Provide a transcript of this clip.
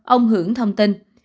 ông hưởng thông tin